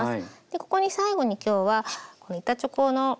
ここに最後に今日は板チョコの背面ですね。